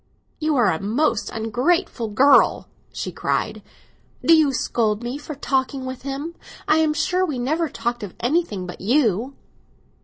"You are a most ungrateful girl!" she cried. "Do you scold me for talking with him? I am sure we never talked of anything but you!"